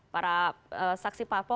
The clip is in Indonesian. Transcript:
para saksi papo